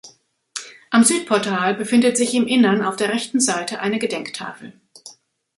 Am Südportal befindet sich im Innern auf der rechten Seite eine Gedenktafel.